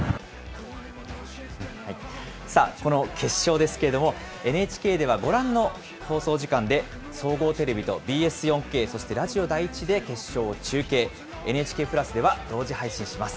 さあ、この決勝ですけれども、ＮＨＫではご覧の放送時間で、総合テレビとＢＳ４Ｋ、そしてラジオ第１で決勝を中継、ＮＨＫプラスでは同時配信します。